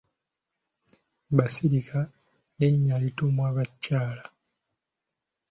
Basirika linnya lituumwa bakyala.